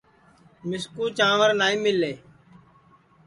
مِسکُو چانٚور نائی مِلے